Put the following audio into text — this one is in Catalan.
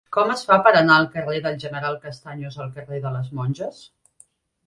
Com es fa per anar del carrer del General Castaños al carrer de les Monges?